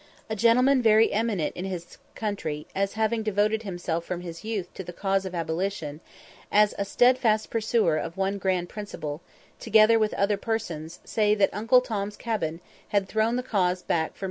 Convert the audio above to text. A gentleman very eminent in his country, as having devoted himself from his youth to the cause of abolition, as a steadfast pursuer of one grand principle, together with other persons, say that "'Uncle Tom's Cabin' had thrown the cause back for many years!"